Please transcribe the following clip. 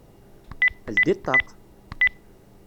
Ldi ṭṭaq!